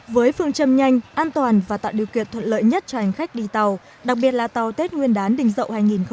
với phương châm nhanh an toàn và tạo điều kiện thuận lợi nhất cho hành khách đi tàu đặc biệt là tàu tết nguyên đán đình dậu hai nghìn hai mươi